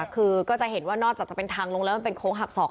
คือก็จะเห็นว่านอกจากจะเป็นทางลงแล้วมันเป็นโค้งหักศอก